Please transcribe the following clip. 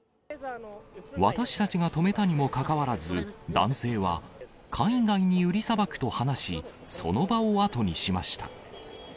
私たちがとめたにもかかわらず、男性は海外に売りさばくと話し、その場を後にしました。